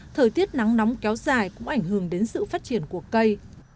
thời tiết nắng nóng kéo dài cũng ảnh hưởng đến sự phát triển của cây